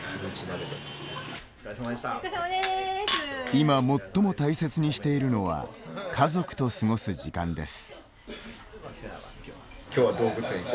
今、最も大切にしているのは家族と過ごす時間です。